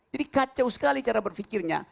jadi kacau sekali cara berfikirnya